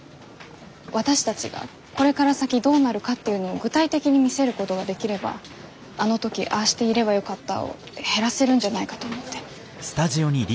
私たちがこれから先どうなるかっていうのを具体的に見せることができればあの時ああしていればよかったを減らせるんじゃないかと思って。